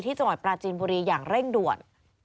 จังหวัดปราจีนบุรีอย่างเร่งด่วน